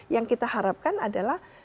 yang kita harapkan adalah